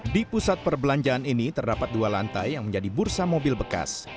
di pusat perbelanjaan ini terdapat dua lantai yang menjadi bursa mobil bekas